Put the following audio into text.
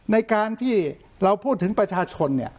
ในการที่เราพูดถึงประชาชน